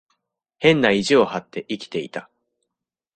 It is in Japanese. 変な意地を張って生きていた。